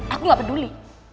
aku gak peduli